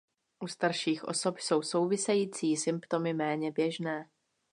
U starších osob jsou související symptomy méně běžné.